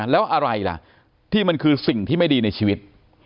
แล้วอะไรล่ะที่มันคือสิ่งที่ไม่ดีในชีวิต